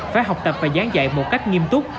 phải học tập và gián dạy một cách nghiêm túc